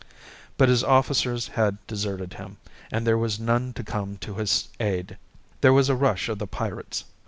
But his officers had deserted him, and there was none to come to his aid. There was a rush of the pirates.